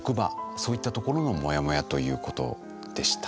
そういったところのモヤモヤということでした。